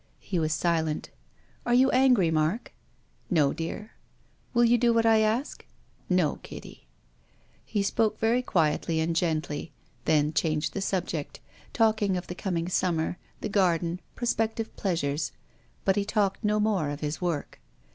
He was silent. "Are you angry, Mark?" " No, dear." "Will you do what I ask?" "No, Kitty." He spoke very quietly and gently, then changed the subject, talked of the coming sum mer, the garden, prospective pleasures. But he talked no more of his work.